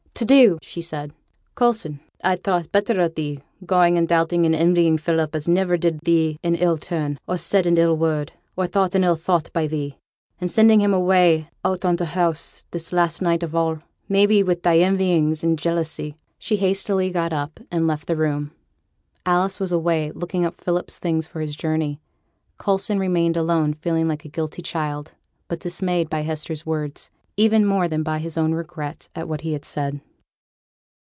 'To do!' she said; 'Coulson, I'd thought better of thee, going and doubting and envying Philip, as niver did thee an ill turn, or said an ill word, or thought an ill thought by thee; and sending him away out o' t' house this last night of all, may be, wi' thy envyings and jealousy.' She hastily got up and left the room. Alice was away, looking up Philip's things for his journey. Coulson remained alone, feeling like a guilty child, but dismayed by Hester's words, even more than by his own regret at what he had said.